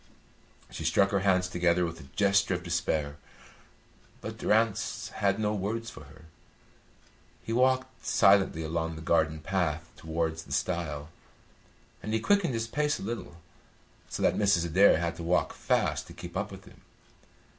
She struck her hands together with a gesture of despair, but Durrance had no words for her. He walked silently along the garden path towards the stile, and he quickened his pace a little, so that Mrs. Adair had to walk fast to keep up with him.